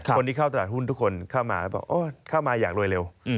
คนที่เข้าตลาดหุ้นทุกคนเข้ามาแล้วบอกเข้ามาอย่างโดยเร็ว